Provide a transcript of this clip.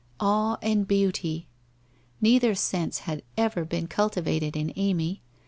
Awe and beauty I Neither sense had ever been cultivated in Amy.